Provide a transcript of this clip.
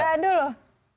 nggak ada loh